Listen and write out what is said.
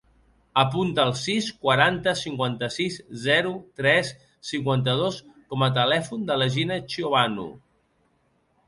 Apunta el sis, quaranta, cinquanta-sis, zero, tres, cinquanta-dos com a telèfon de la Gina Ciobanu.